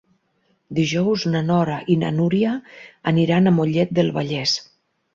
Dijous na Nora i na Núria aniran a Mollet del Vallès.